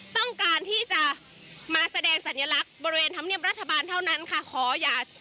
ต้องการที่จะมาแสดงสัญลักษณ์บริเวณธรรมเนียมรัฐบาลเท่านั้นค่ะ